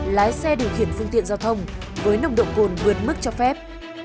lái xe điều khiển phương tiện giao thông với nồng độ cồn vượt mức cho phép